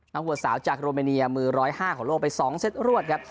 นักหัวสาวจากโรเมเนียมือร้อยห้าของโลกไปสองเซ็ตรวดครับ